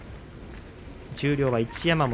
十両は一山本。